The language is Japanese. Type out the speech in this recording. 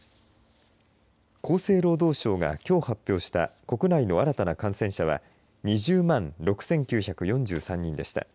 厚生労働省が、きょう発表した国内の新たな感染者は２０万６９４３人でした。